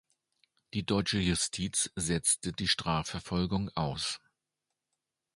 Die deutsche Justiz setzte die Strafverfolgung aus.